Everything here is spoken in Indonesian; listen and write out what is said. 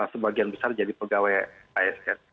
sebagian besar jadi pegawai asn